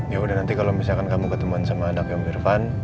ya udah nanti kalau misalkan kamu ketemuan sama anaknya om irfan